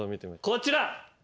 こちら。